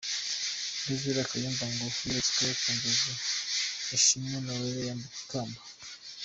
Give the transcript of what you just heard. Rev Kayumba ngo yeretswe mu nzozi Ishimwe Noriella yambikwa ikamba.